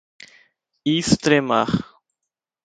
estremar